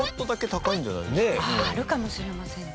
ああるかもしれませんね。